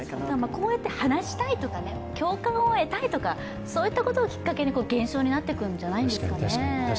こうやって話したいとか、共感を得たいとか、そういったことをきっかけに現象になっていくんじゃないでしょうかね。